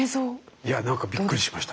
いやなんかびっくりしました。